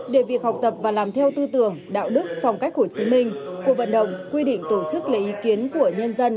để việc học tập và làm theo tư tưởng đạo đức phong cách hồ chí minh cuộc vận động quy định tổ chức lấy ý kiến của nhân dân